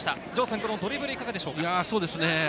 このドリブル、いかがですか？